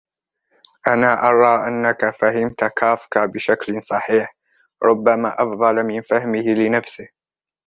أنا أرى أنكَ فهمت كافكا بشكل صحيح, ربما أفضل من فهمهِ لنفسه.